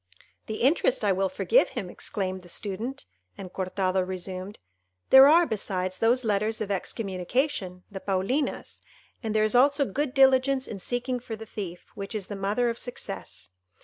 "The interest I will forgive him," exclaimed the Student; and Cortado resumed:—"There are, besides, those letters of excommunication, the Paulinas; and there is also good diligence in seeking for the thief, which is the mother of success.